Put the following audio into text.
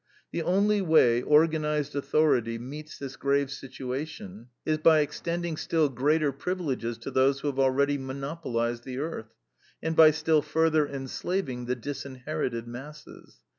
The only way organized authority meets this grave situation is by extending still greater privileges to those who have already monopolized the earth, and by still further enslaving the disinherited masses.